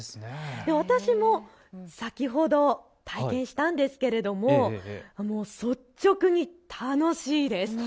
私も先ほど体験したんですけれども率直に楽しいです。